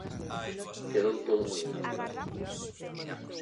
Quedou todo moi íntimo.